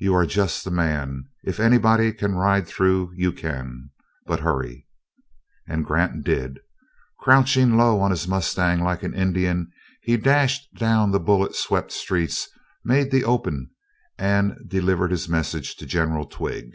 "You are just the man. If anybody can ride through, you can. But hurry." And Grant did. Crouching low on his mustang like an Indian, he dashed down the bullet swept streets, made the open, and delivered his message to General Twigg.